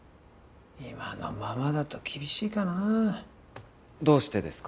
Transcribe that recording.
今のままだと厳しいかなどうしてですか？